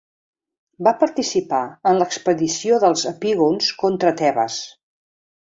Va participar en l'expedició dels epígons contra Tebes.